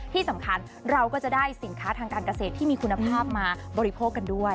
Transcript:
ที่สำคัญเราก็จะได้สินค้าทางการเกษตรที่มีคุณภาพมาบริโภคกันด้วย